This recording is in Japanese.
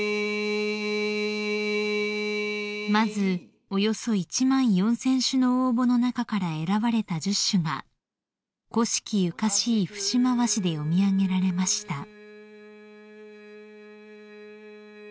［まずおよそ１万４，０００首の応募の中から選ばれた１０首が古色ゆかしい節回しで詠み上げられました］